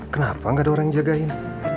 kenapa gak ada orang yang jagain